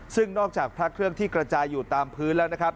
ซึ่งนอกจากพระเครื่องที่กระจายอยู่ตามพื้นแล้วนะครับ